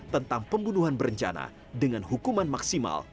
tentang pembunuhan berencana dengan hukuman maksimal